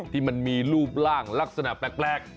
ที่มันมีรูปร่างลักษณะแปลก